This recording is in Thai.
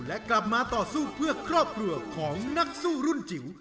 และกลับมาต่อสู้เพื่อครอบครัวของนักสู้รุ่นจิ๋ว